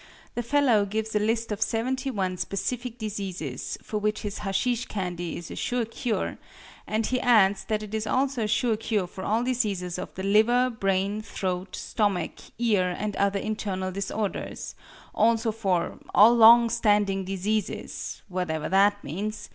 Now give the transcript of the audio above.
The fellow gives a list of seventy one specific diseases for which his Hasheesh Candy is a sure cure, and he adds that it is also a sure cure for all diseases of the liver, brain, throat, stomach, ear, and other internal disorders; also for "all long standing diseases" whatever that means!